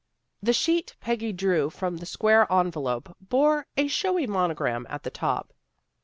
The sheet Peggy drew from the square envelope bore a showy monogram at the top.